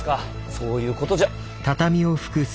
そういうことじゃ。